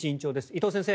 伊藤先生